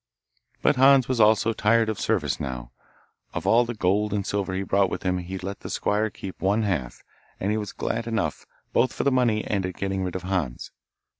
But Hans was also tired of service now. Of all the gold and silver he brought with him he let the squire keep one half, and he was glad enough, both for the money and at getting rid of Hans.